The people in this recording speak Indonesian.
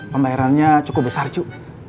pembayarannya cukup besar cucu